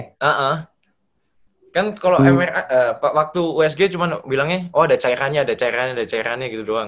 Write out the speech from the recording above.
iya kan waktu usg cuma bilangnya oh ada cairannya ada cairannya gitu doang